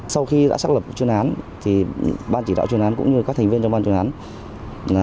sau khi đã xác lập chuyên án ban chỉ đạo chuyên án cũng như các thành viên trong ban chuyên án